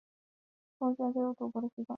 从前就有赌博的习惯